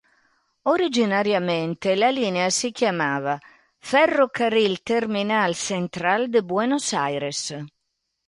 Originariamente la linea si chiamava "Ferrocarril Terminal Central de Buenos Aires".